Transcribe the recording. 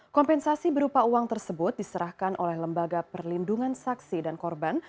kompensasi berupa uang tersebut diserahkan oleh lembaga perlindungan saksi dan korban